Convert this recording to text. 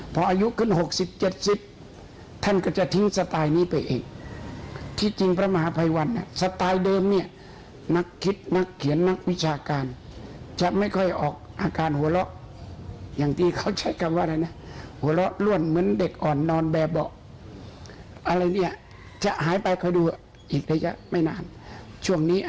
เป็นไปบ้างเพราะธรรมะก็เคยเป็นอย่างนี้มาแล้ว